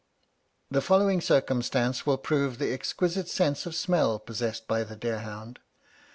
"The following circumstance will prove the exquisite sense of smell possessed by the deer hound.